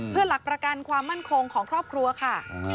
เพื่อหลักประกันความมั่นคงของครอบครัวค่ะ